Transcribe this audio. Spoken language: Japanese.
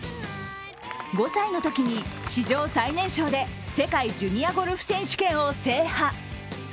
５歳のときに史上最年少で世界ジュニアゴルフ選手権を制覇。